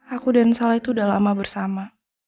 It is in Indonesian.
aku dan salah itu udah lama bersama